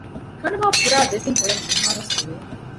ކަނޑުމަހަށް ފުރާ ދެތިން އުޅަދު މިހާރު ވެސް އޮވެ